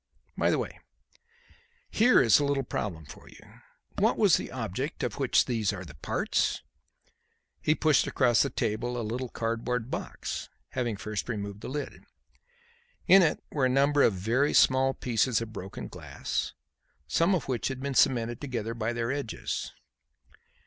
By the way, here is a little problem for you. What was the object of which these are the parts?" He pushed across the table a little cardboard box, having first removed the lid. In it were a number of very small pieces of broken glass, some of which had been cemented together by their edges.